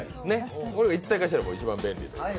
それが一体化したら一番便利。